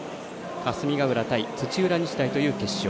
霞ヶ浦対土浦日大という決勝。